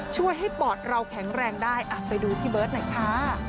ช่วยให้ปอดเราแข็งแรงได้ไปดูพี่เบิร์ตหน่อยค่ะ